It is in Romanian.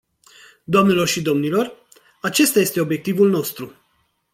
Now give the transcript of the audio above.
Doamnelor și domnilor, acesta este obiectivul nostru.